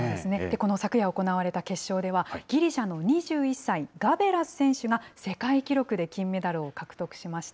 この昨夜行われた決勝では、ギリシャの２１歳、ガベラス選手が世界記録で金メダルを獲得しました。